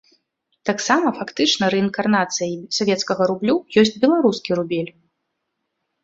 Таксама фактычна рэінкарнацыяй савецкага рублю ёсць беларускі рубель.